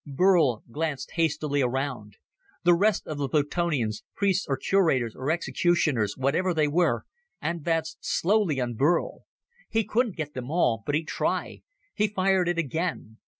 Burl glanced hastily around. The rest of the Plutonians priests or curators or executioners, whatever they were advanced slowly on Burl. He couldn't get them all, but he'd try. He fired it again.